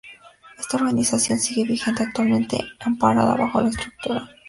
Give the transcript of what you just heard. Esta organización sigue vigente, actualmente amparada bajo la estructura del Consejo de Mujeres Libanesas.